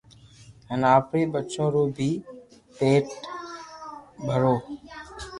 ھين آپري ٻچو رو بي پيت ڀروو